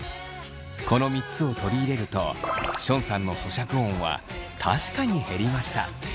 この３つを取り入れるとションさんの咀嚼音は確かに減りました。